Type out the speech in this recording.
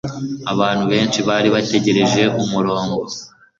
abantu benshi bari bategereje umurongo